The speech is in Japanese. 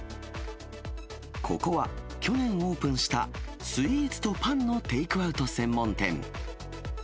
ここは去年オープンした、スイーツとパンのテイクアウト専門店。